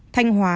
thanh hóa hai